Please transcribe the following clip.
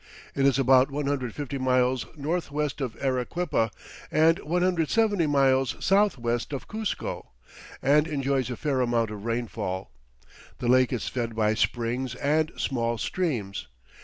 It is about 150 miles northwest of Arequipa and 170 miles southwest of Cuzco, and enjoys a fair amount of rainfall. The lake is fed by springs and small streams.